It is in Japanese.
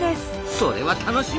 それは楽しみ！